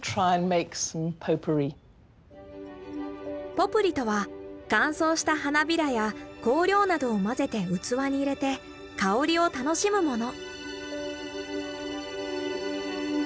ポプリとは乾燥した花びらや香料などを混ぜて器に入れて香りを楽しむもの。